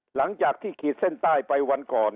หลังจากที่ขีดเส้นใต้ไปวันก่อน